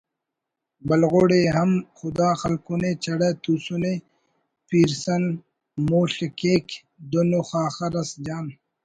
بلغڑ ءِ ہم خدا خلکنے چڑہ توسنے پیرسن مول/ کیک دن ءُ خاخر اس جان